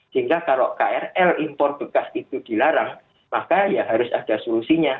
sehingga kalau krl impor bekas itu dilarang maka ya harus ada solusinya